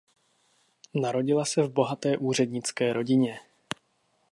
Narodila se v bohaté úřednické rodině.